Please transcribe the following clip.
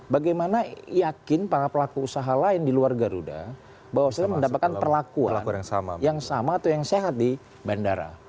bagaimana yakin para pelaku usaha lain di luar garuda bahwa saya mendapatkan perlakuan yang sama atau yang sehat di bandara